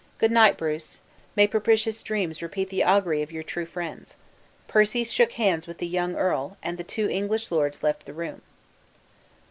Good night, Bruce. May propitious dreams repeat the augury of your true friends!" Percy shook hands with the young earl, and the two English lords left the room.